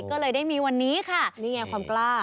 ก็เลยได้มีวันนี้ค่ะนี่ไงความกล้า